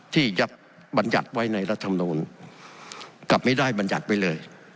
ที่ยับบรรยัติไว้ในรัฐธรรมนูญกับไม่ได้บรรยัติไปเลย